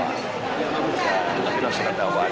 yang ada hanya dikeluarkan di dalam sekat dakwaan